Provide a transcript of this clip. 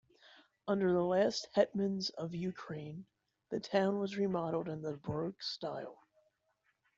Under the last hetmans of Ukraine, the town was remodeled in the Baroque style.